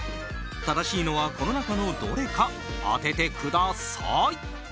正しいのはこの中のどれか当ててください！